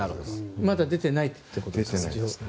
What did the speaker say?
まだ情報が出てないということですね。